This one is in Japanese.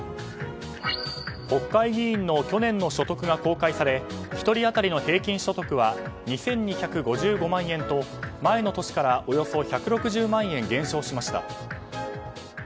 国会議員の去年の所得が公開され１人当たりの平均所得は２２５５万円と前の年からおよそ１６０万円減少しました。